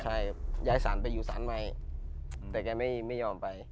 ใช่ย้ายศาลไปอยู่ศาลใหม่แต่แกไม่ยอมไป